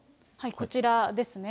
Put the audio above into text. こちらですね。